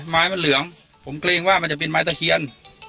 ไม้มันเหลืองผมเกรงว่ามันจะเป็นไม้ตะเคียน